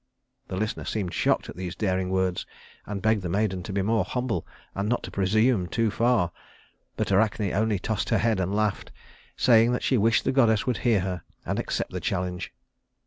The listener seemed shocked at these daring words, and begged the maiden to be more humble and not to presume too far; but Arachne only tossed her head and laughed, saying that she wished the goddess would hear her and accept the challenge.